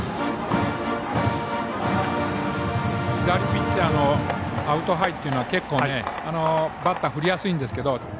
左ピッチャーのアウトハイというのは結構、バッター振りやすいんですけど。